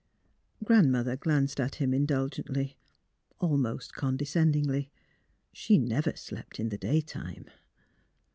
Grandmother glanced at him indulgently, al most condescendingly. She never slept in the day time.